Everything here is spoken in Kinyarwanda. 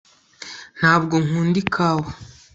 ntabwo nkunda ikawa